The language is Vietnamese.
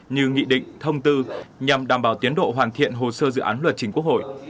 như nghị định thông tư nhằm đảm bảo tiến độ hoàn thiện hồ sơ dự án luật chính quốc hội